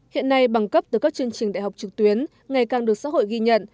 hiện nay bằng cấp từ các chương trình đại học trực tuyến ngày càng được xã hội ghi nhận